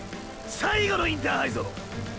最後のインターハイぞ！！